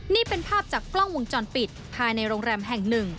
นี่เป็นภาพจากกล้องวงจรปิดภายในโรงแรมแห่งหนึ่ง